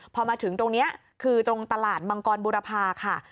พอมาถึงตรงนี้คือตรงตลาดมังกรบุรพาค่ะ